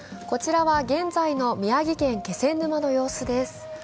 こちらは現在の宮城県気仙沼の様子です。